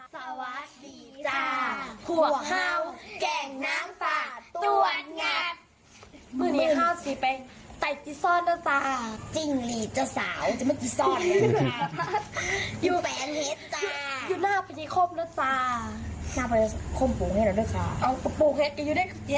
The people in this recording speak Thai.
สวัสดีจ้าคั่ว